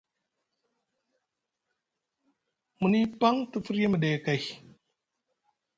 Muni paŋ te firya miɗe kay.